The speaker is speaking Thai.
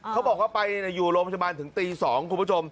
เขาบอกว่าไปอยู่โรงพยาบาลถึงตี๒คุณผู้ชม